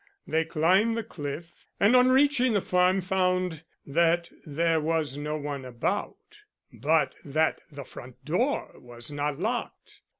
They climbed the cliff, and on reaching the farm found that there was no one about, but that the front door was not locked.